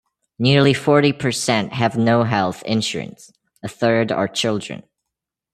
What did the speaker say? Nearly forty percent have no health insurance; a third are children.